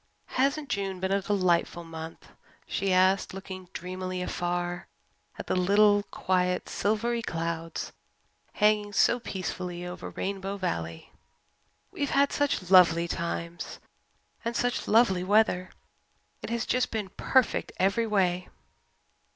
"Hasn't June been a delightful month?" she asked, looking dreamily afar at the little quiet silvery clouds hanging so peacefully over Rainbow Valley. "We've had such lovely times and such lovely weather. It has just been perfect every way."